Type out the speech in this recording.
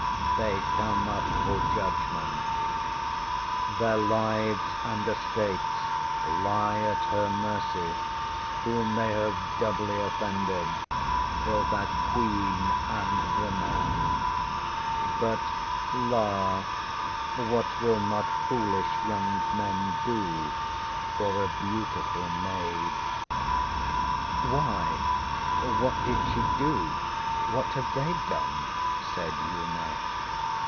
They come up for judgement. Their lives and estates lie at her mercy whom they have doubly offended, both as Queen and woman. But la! what will not foolish young men do for a beautiful maid? ŌĆÖ ŌĆśWhy? What did she do? What had they done? ŌĆÖ said Una.